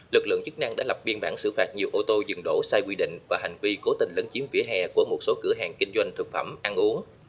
lực lượng chức năng đã lập biên bản xử phạt nhiều ô tô dừng đổ sai quy định và hành vi cố tình lấn chiếm vỉa hè của một số cửa hàng kinh doanh thực phẩm ăn uống